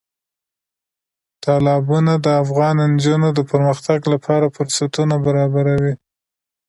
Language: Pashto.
تالابونه د افغان نجونو د پرمختګ لپاره فرصتونه برابروي.